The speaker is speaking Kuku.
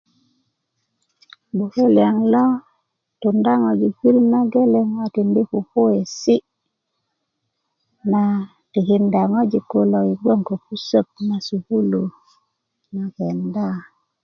gboke liyaŋ lo tunda ŋojik pirit na geleŋ a tindi' kukuwesi' na tikinda ŋojik kulo yi gbon ko pusök na sukulu na kenda